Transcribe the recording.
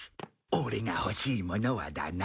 オレが欲しいものはだな。